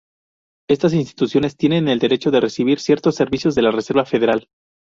Estas instituciones tienen el derecho de recibir ciertos servicios de la Reserva Federal.